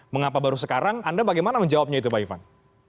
mengapa baru sekarang anda bagaimana menjawabnya itu pak ivan